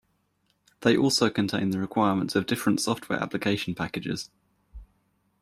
They also contain the requirements of different software application packages.